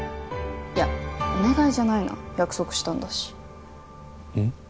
いやお願いじゃないな約束したんだしうん？